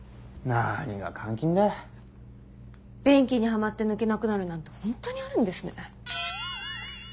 便器にはまって抜けなくなるなんて本当にあるんですね。